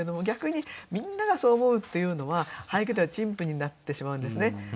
逆にみんながそう思うっていうのは俳句では陳腐になってしまうんですね。